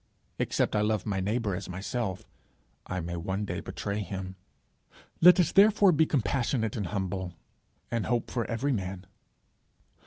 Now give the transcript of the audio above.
Except I love my neighbour as myself, I may one day betray him! Let us therefore be compassionate and humble, and hope for every man.